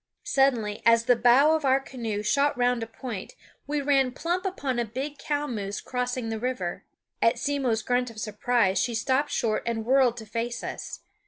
Suddenly, as the bow of our canoe shot round a point, we ran plump upon a big cow moose crossing the river. At Simmo's grunt of surprise she stopped short and whirled to face us.